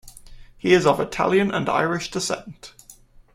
He is of Italian and Irish descent.